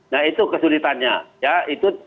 nah itu kesulitannya ya itu